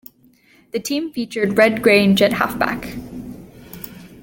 The team featured Red Grange at halfback.